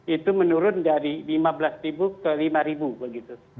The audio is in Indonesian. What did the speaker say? itu menurun dari lima belas ribu ke lima begitu